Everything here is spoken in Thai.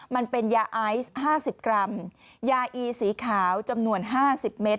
มันเป็นยาไอซ์๕๐กรัมยาอีสีขาวจำนวน๕๐เมตร